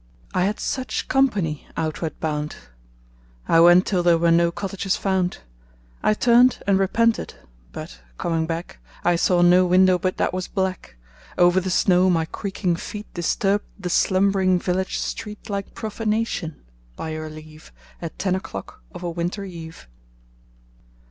I had such company outward bound. I went till there were no cottages found. I turned and repented, but coming back I saw no window but that was black. Over the snow my creaking feet Disturbed the slumbering village street Like profanation, by your leave, At ten o'clock of a winter eve.